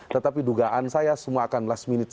tetapi dugaan saya semua akan last minute